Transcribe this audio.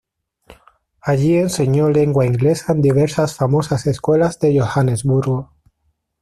Allí enseñó lengua inglesa en diversas famosas escuelas de Johannesburgo.